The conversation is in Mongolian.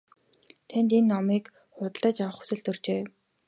Танд энэ номыг худалдаж авах хүсэл төржээ.